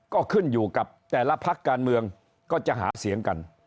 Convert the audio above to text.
ก็ขึ้นอยู่กับแต่ละพักการเมืองก็จะหาเสียงกัน